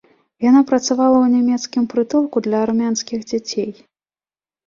Яна працавала ў нямецкім прытулку для армянскіх дзяцей.